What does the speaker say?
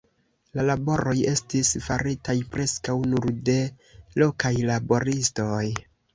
La laboroj estis faritaj preskaŭ nur de lokaj laboristoj.